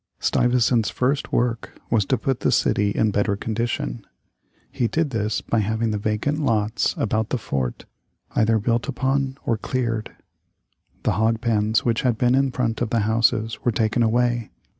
Stuyvesant's first work was to put the city in better condition. He did this by having the vacant lots about the fort either built upon or cleared. The hog pens which had been in front of the houses were taken away.